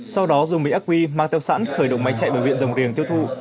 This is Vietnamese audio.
sau đó dùng mỹ ác vi mang theo sẵn khởi động máy chạy bởi huyện dòng riềng tiêu thu